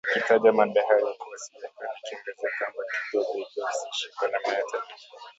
ikitaja madai hayo kuwa si ya kweli ikiongezea kwamba Kigali haijihusishi kwa namna yoyote na